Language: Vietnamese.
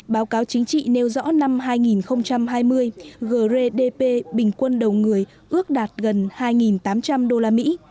báo cáo chính trị nêu rõ năm hai nghìn hai mươi grdp bình quân đầu người ước đạt gần hai tám trăm linh đô la mỹ